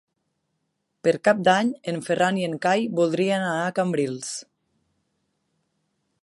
Per Cap d'Any en Ferran i en Cai voldrien anar a Cabrils.